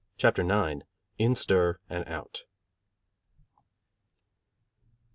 CHAPTER IX. _In Stir and Out.